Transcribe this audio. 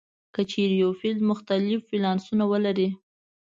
که چیرې یو فلز مختلف ولانسونه ولري.